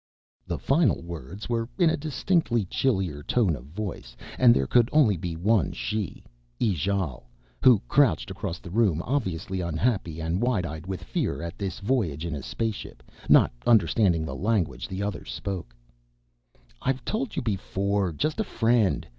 The final words were in a distinctly chillier tone of voice, and there could be only one she, Ijale, who crouched across the room, obviously unhappy and wide eyed with fear at this voyage in a spaceship, not understanding the language the others spoke. "I've told you before just a friend.